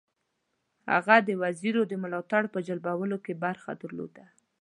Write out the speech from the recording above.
هغه د وزیرو د ملاتړ په جلبولو کې برخه درلوده.